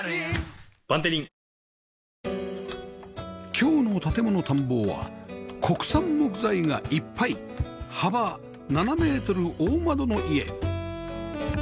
今日の『建もの探訪』は国産木材がいっぱい幅７メートル大窓の家